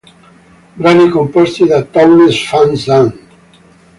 Brani composti da Townes Van Zandt